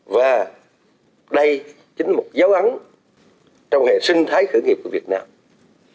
và đây chính là một dấu ấn trong hệ sinh thái khởi nghiệp của việt nam